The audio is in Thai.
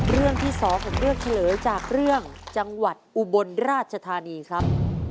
เรื่องที่๒ถือได้เพิ่มทีทั้งเรื่องต่อหลังจากจังหวัดอุบลราชธานีครับ